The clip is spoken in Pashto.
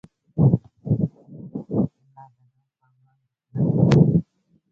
زړه د غم پر وړاندې کلک ولاړ وي.